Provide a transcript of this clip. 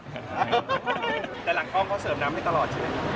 แต่หลังกล้องเขาเสริมน้ำให้ตลอดใช่ไหม